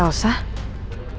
elsa gak mau ke sini